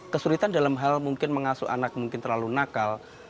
kesulitan dalam hal mungkin mengasuh anak mungkin terlalu nakal